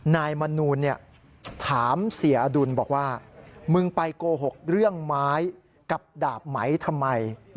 นายมนูลถามเสียอดุลบอกว่ามึงไปโกหกเรื่องไม้กับดาบไหมทำไม